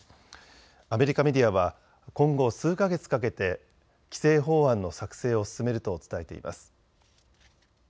アメリカメディアは今後、数か月かけて規制法案の作成を進めると伝えています。